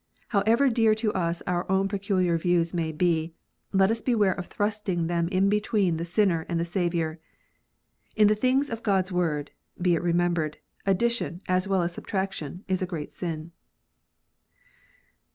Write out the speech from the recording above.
However dear to us our own peculiar views may be, let us beware of thrusting them in between the sinner and the Saviour. In the things of God s Word, be it remembered, addition, as well as subtraction, is a great sin.